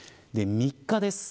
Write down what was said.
３日です。